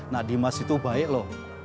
nah dimas itu baik loh